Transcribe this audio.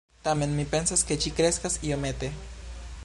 Tamen, mi pensas, ke ĝi kreskas iomete